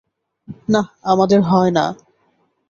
না, আমাদের হয় না।